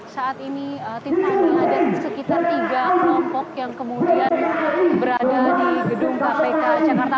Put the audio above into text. saat ini tiffany ada di sekitar tiga kompok yang kemudian berada di gedung kpk jakarta